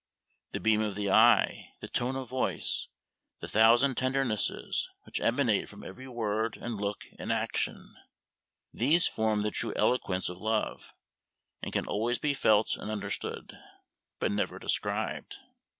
The beam of the eye, the tone of voice, the thousand tendernesses which emanate from every word and look and action, these form the true eloquence of love, and can always be felt and understood, but never described.